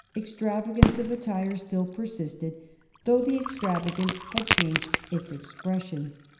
Extravagance of attire still persisted, though the extravagance had changed its expression.